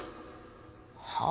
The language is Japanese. はあ？